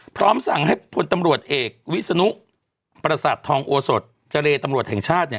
พร้อมสั่งให้พลตำรวจเอกสุวัสดิ์วิสนุปรสาททองโอสดิ์เจรตร์ตำรวจแห่งชาติ